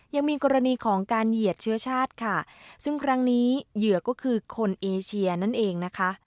ยังมีกรณีของการเหยียดเชื้อชาติค่ะซึ่งครั้งนี้เหยื่อก็คือคนเอเชียนั่นเองนะคะ